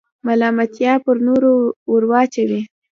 ملامتیا پر نورو وراچوئ.